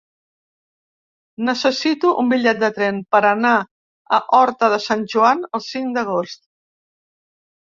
Necessito un bitllet de tren per anar a Horta de Sant Joan el cinc d'agost.